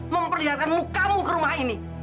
memperlihatkan muka mu ke rumah ini